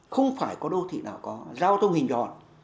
không phải có đô thị nào có giao thông hình tròn